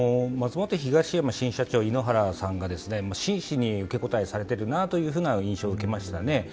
東山新社長と井ノ原さんが真摯に受け答えされている印象を受けましたね。